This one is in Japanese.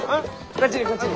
こっちにこっちに。